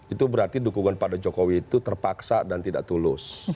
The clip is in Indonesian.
itu berarti dukungan pada jokowi itu terpaksa dan tidak tulus